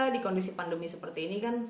di kondisi pandemi seperti ini kan